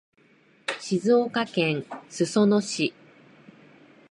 静岡県裾野市